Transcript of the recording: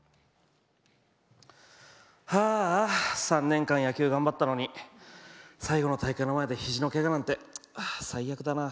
ああ３年間野球頑張ったのに最後の大会の前で肘のケガなんて最悪だな。